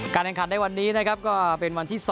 แข่งขันในวันนี้นะครับก็เป็นวันที่๒